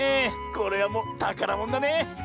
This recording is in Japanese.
これはもうたからものだね！